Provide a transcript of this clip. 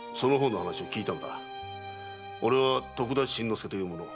俺は徳田新之助という者だ。